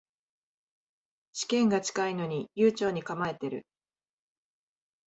試験が近いのに悠長に構えてる